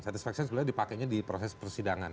satisfaction sebenarnya dipakainya di proses persidangan